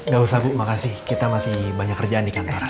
gak usah bu makasih kita masih banyak kerjaan di kantor